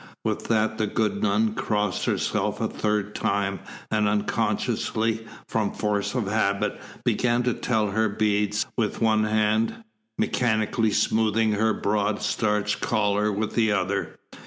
With that the good nun crossed herself a third time, and unconsciously, from force of habit, began to tell her beads with one hand, mechanically smoothing her broad, starched collar with the other.